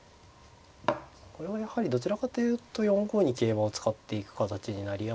これはやはりどちらかというと４五に桂馬を使っていく形になりやすい気がしますね。